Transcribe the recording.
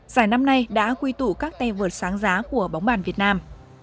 giải năm nay đã quy tụ các tay vượt sáng giá của bóng bàn việt nam